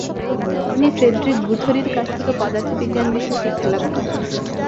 তিনি ফ্রেডরিক গুথরির কাছ থেকে পদার্থবিজ্ঞান বিষয়ে শিক্ষালাভ করেন।